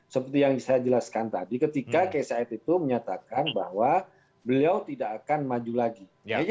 seperti yang saya jelaskan tadi ketika kisah itu menyatakan bahwa beliau tidak akan maju lagi